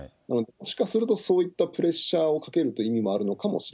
もしかすると、そういったプレッシャーをかけるという意味もある